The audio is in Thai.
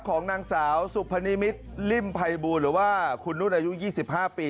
ของนางสาวสุพนิมิตรริ่มภัยบูลหรือว่าคุณนุ่นอายุ๒๕ปี